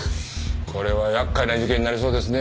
これは厄介な事件になりそうですね。